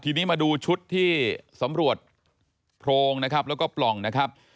ทีนี้มาดูชุดที่สำรวจโพรงนะครับแล้วก็ปล่องนะครับ